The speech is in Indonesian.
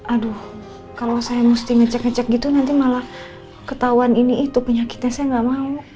aduh kalau saya mesti ngecek ngecek gitu nanti malah ketahuan ini itu penyakitnya saya nggak mau